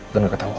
lo gak ketau